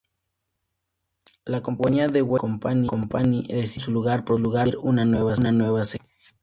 La compañía The Weinstein Company decidió, en su lugar, producir una nueva secuela.